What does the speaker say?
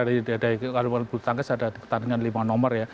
kalau bulu tangkis ada pertandingan lima nomor ya